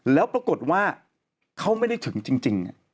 แล้วปรากฏว่าเขาไม่ได้ถึงจริง